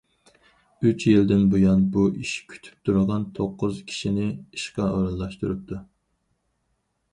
ئۈچ يىلدىن بۇيان ئۇ ئىش كۈتۈپ تۇرغان توققۇز كىشىنى ئىشقا ئورۇنلاشتۇرۇپتۇ.